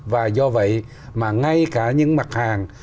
và do vậy mà ngay cả những mặt hàng